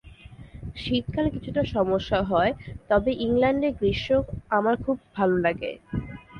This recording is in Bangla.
শীতকালে কিছুটা সমস্যা হয়, তবে ইংল্যান্ডের গ্রীষ্ম আমার খুব ভালো লাগে।